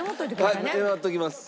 はいメモっときます。